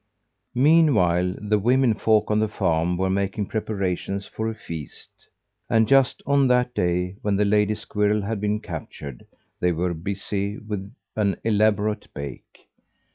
Meanwhile, the women folk on the farm were making preparations for a feast; and just on that day when the lady squirrel had been captured, they were busy with an elaborate bake.